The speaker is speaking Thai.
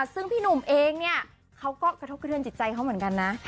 ซึ่งพี่หนุ่มเองเนี่ยเขาก็กระทบกระเทือนจิตใจเขาเหมือนกันนะ